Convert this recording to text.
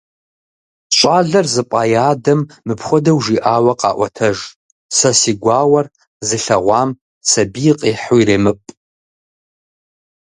ЩӀалэр зыпӀа и адэм мыпхуэдэу жиӀауэ къаӀуэтэж: «Сэ си гуауэр зылъэгъуам сабий къихьу иремыпӀ».